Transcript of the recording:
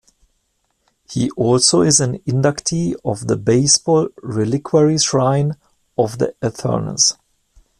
He also is an inductee of the Baseball Reliquary Shrine of the Eternals.